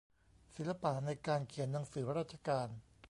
ศิลปะในการเขียนหนังสือราชการ